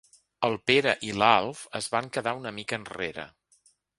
El Pere i l'Alf es van quedar una mica enrere.